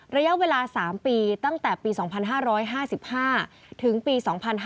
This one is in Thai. ระยะเวลา๓ปีตั้งแต่ปี๒๕๕๕ถึงปี๒๕๕๙